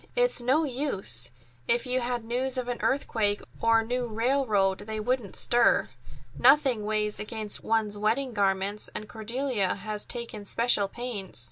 "It's no use. If you had news of an earthquake or a new railroad, they wouldn't stir. Nothing weighs against one's wedding garments, and Cordelia has taken special pains."